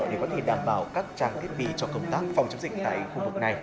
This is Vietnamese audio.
để có thể đảm bảo các trang thiết bị cho công tác phòng chống dịch tại khu vực này